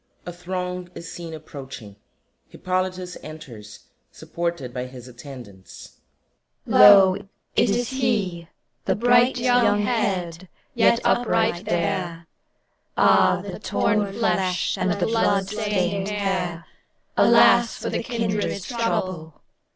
[A throng is seen approaching; HIPPOLYTUS enters, supported by his attendants.] CHORUS Lo, it is he! The bright young head Yet upright there! Ah the torn flesh and the blood stained hair; Alas for the kindred's trouble!